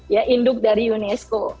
ya induk dari unesco